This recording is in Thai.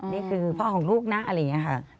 นี่คือพ่อของลูกนะอะไรอย่างนี้ค่ะ